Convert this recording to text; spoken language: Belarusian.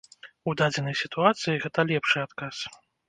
У дадзенай сітуацыі гэта лепшы адказ.